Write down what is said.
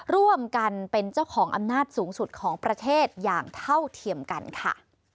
ร่วมกันเป็นเจ้าของอำนาจสูงสุดของประเทศอย่างเท่าเทียมกันค่ะ